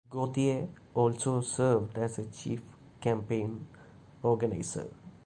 Gauthier also served as the chief campaign organizer.